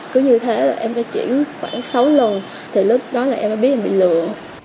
cứ như thế là em phải chuyển khoảng sáu lần thì lúc đó là em đã biết em bị lừa